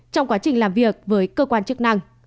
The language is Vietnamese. trong quá trình làm việc với cơ quan chức năng